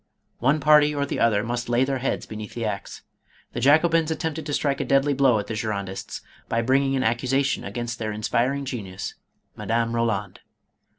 One party or the other must lay their heads beneath the axe. The Jacobins attempted to strike a deadly blow at the Gi rondists, by bringing an accusation against their inspi ring genius — Madame Roland.